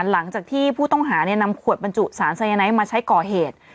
หลังจากที่ผู้ต้องหานำขวดบรรจุสารสายไนท์มาใช้ก่อเหตุ